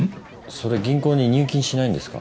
それ銀行に入金しないんですか？